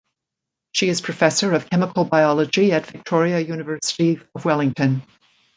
She is Professor of Chemical Biology at Victoria University of Wellington.